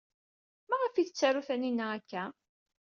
Maɣef ay tettaru Taninna akka?